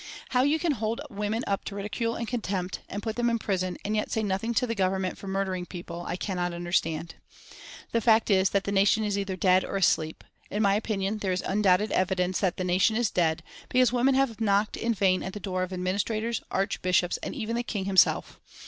"How you can hold women up to ridicule and contempt, and put them in prison, and yet say nothing to the Government for murdering people, I cannot understand.... "The fact is that the nation is either dead or asleep. In my opinion there is undoubted evidence that the nation is dead, because women have knocked in vain at the door of administrators, archbishops, and even the King himself.